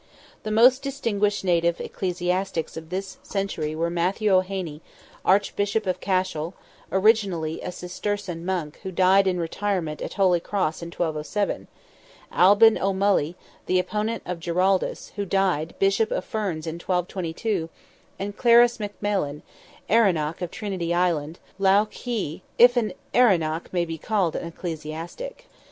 The most distinguished native ecclesiastics of this century were Matthew O'Heney, Archbishop of Cashel, originally a Cistercian monk, who died in retirement at Holy Cross in 1207; Albin O'Mulloy, the opponent of Giraldus, who died Bishop of Ferns in 1222; and Clarus McMailin, Erenach of Trinity Island, Lough Key—if an Erenach may be called an ecclesiastic.